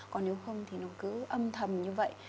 còn nếu không thì nó cứ âm thầm như vậy